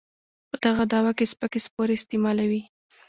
په دغه دعوه کې سپکې سپورې استعمالوي.